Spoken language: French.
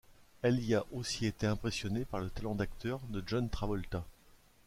Elle y a aussi été impressionnée par le talent d'acteur de John Travolta.